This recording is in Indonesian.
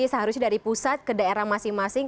seharusnya dari pusat ke daerah masing masing